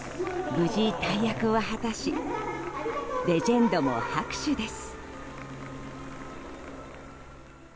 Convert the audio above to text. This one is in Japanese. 無事、大役を果たしレジェンドも拍手です。